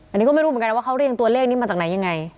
อันนี้ก็ไม่รู้เหมือนกันนะว่าเขาเรียงตัวเลขนี้มาจากไหนยังไง